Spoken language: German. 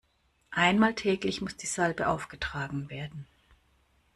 Einmal täglich muss die Salbe aufgetragen werden.